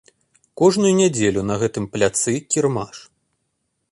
Кожную нядзелю на гэтым пляцы кірмаш.